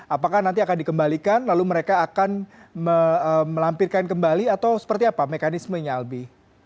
apakah nanti akan dikembalikan lalu mereka akan melampirkan kembali atau seperti apa mekanismenya albi